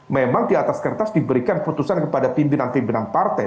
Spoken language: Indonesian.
memang di atas kertas diberikan putusan kepada pimpinan pimpinan partai